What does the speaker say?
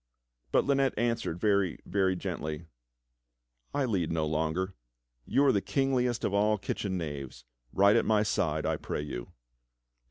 But Lynette answered very, very gently: "I lead no longer. You are the kingliest of all kitchen knaves. Ride at my side, I pray you."